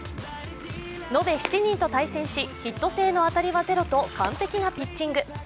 延べ７人と対戦し、ヒット性の当たりはゼロと完璧なピッチング。